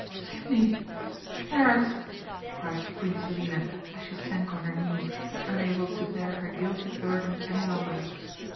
"Sidney! Clarence!" cried Queen Selina, as she sank on her knees, unable to bear her guilty burden any longer.